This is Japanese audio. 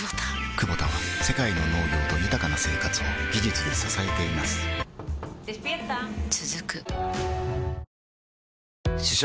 クボタは世界の農業と豊かな生活を技術で支えています起きて。